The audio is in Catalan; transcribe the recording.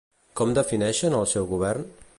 Com defineixen el seu govern?